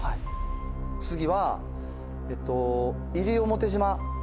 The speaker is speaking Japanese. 次は西表島。